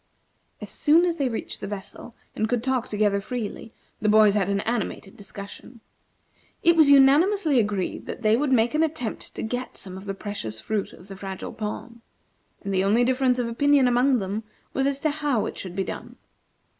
As soon as they reached the vessel, and could talk together freely, the boys had an animated discussion. It was unanimously agreed that they would make an attempt to get some of the precious fruit from the Fragile Palm, and the only difference of opinion among them was as to how it should be done.